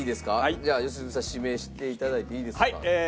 じゃあ良純さん指名して頂いていいですか？